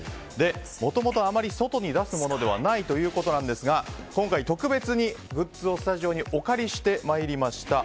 もともと、あまり外に出すものではないということなんですが今回特別にグッズをスタジオにお借りして参りました。